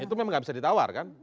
itu memang nggak bisa ditawar kan